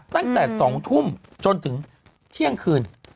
ตั้งแต่๒ทุ่มจนถึงเที่ยงคืน